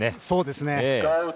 そうですね。